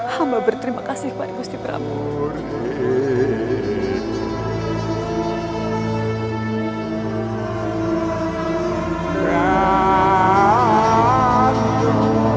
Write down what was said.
hamba berterima kasih pak gusti prabu